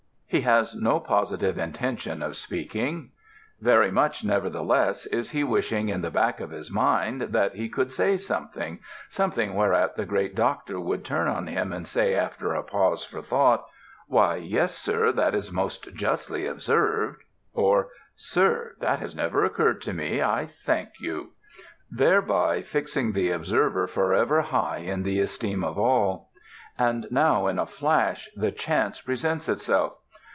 He has no positive intention of speaking. Very much, nevertheless, is he wishing in the back of his mind that he could say something something whereat the great Doctor would turn on him and say, after a pause for thought, "Why, yes, Sir. That is most justly observed" or "Sir, this has never occurred to me. I thank you" thereby fixing the observer forever high in the esteem of all. And now in a flash the chance presents itself.